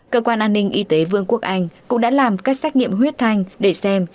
cơ quan an ninh y tế vương quốc anh cũng đã làm các xét nghiệm huyết thanh để xem